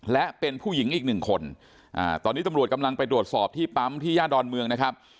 และเป็นผู้หญิงอีกหนึ่งคนอ่าตอนนี้ตำรวจกำลังไปตรวจสอบที่ปั๊มที่ย่านดอนเมืองนะครับ